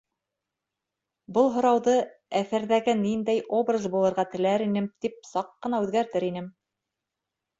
Был һорауҙы, әҫәрҙәге ниндәй образ булырға теләр инем, тип саҡ ҡына үҙгәртер инем.